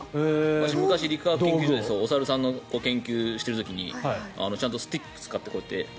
昔、理化学研究所でお猿さんの研究をしている時にちゃんとスティックを使って。